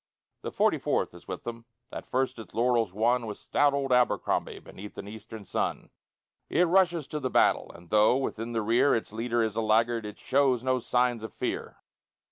The Forty fourth is with them, That first its laurels won With stout old Abercrombie Beneath an eastern sun. It rushes to the battle, And, though within the rear Its leader is a laggard, It shows no signs of fear.